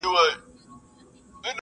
له شامته چی یې زرکي دام ته تللې ..